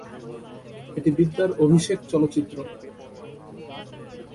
এটি বিদ্যার অভিষেক চলচ্চিত্র।